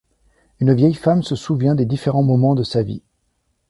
Une vieille femme se souvient des différents moments de sa vie...